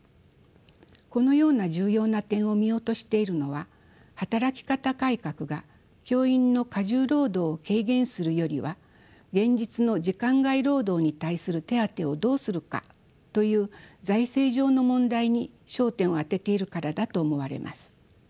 このような重要な点を見落としているのは働き方改革が教員の過重労働を軽減するよりは現実の時間外労働に対する手当をどうするかという財政上の問題に焦点を当てているからだと思われます。